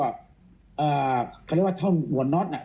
เขาเรียกว่าเท่าหนวดเนาท